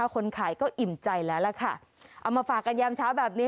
คนขายก็อิ่มใจแล้วล่ะค่ะเอามาฝากกันยามเช้าแบบนี้